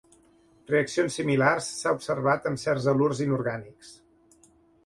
Reaccions similars s'ha observat amb certs halurs inorgànics.